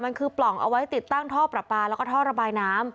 มันคือปล่องเอาไว้ติดตั้งท่อประปาแล้วก็ท่อระบายน้ำ